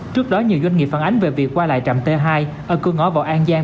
trước đó nhiều doanh nghiệp phản ánh về việc qua lại trạm t hai ở cửa ngõ vào an giang